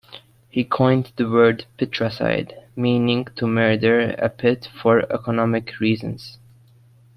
He coined the word "Pitracide", meaning "to murder a pit for economic reasons".